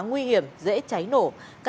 nguy hiểm dễ cháy nổ